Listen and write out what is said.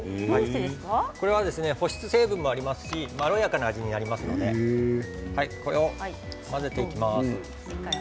これは保湿成分もありますしまろやかな味になりますのでこれを混ぜていきます。